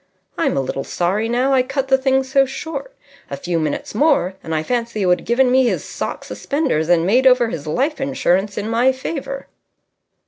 I'm a little sorry now I cut the thing so short. A few minutes more, and I fancy he would have given me his sock suspenders and made over his life insurance in my favour."